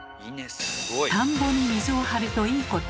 田んぼに水を張ると「いいこと」